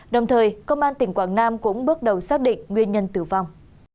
đồng thời công an tỉnh quảng nam cũng bước đầu xác định nguyên nhân tử vong